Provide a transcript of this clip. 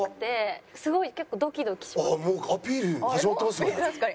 もうアピール始まってますよね？